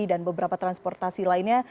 dan beberapa transportasi lainnya